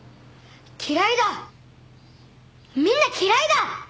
嫌いだみんな嫌いだ！